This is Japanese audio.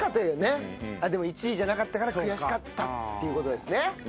でも１位じゃなかったから悔しかったっていう事ですね。